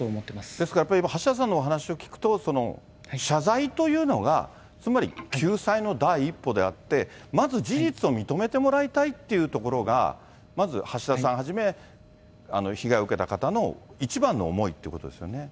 ですから橋田さんのお話を聞くと、謝罪というのがつまり救済の第一歩であって、まず事実を認めてもらいたいというところが、まず橋田さんはじめ、被害を受けた方の一番の思いということですよね。